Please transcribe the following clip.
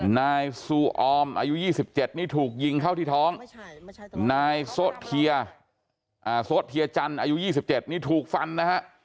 นายซูออมอายุ๒๗นี่ถูกยิงเข้าที่ท้องนายโซะเทียโซะเทียจันทร์อายุ๒๗นี่ถูกฟันนะฮะ